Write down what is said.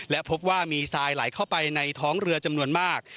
และพบว่ามีทรายไหลเข้าไปในท้องเรือจำนวนมาก